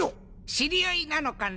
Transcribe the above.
知り合いなのかね？